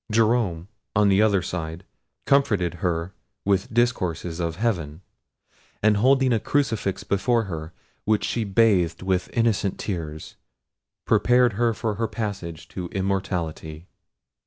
Jerome, on the other side, comforted her with discourses of heaven, and holding a crucifix before her, which she bathed with innocent tears, prepared her for her passage to immortality.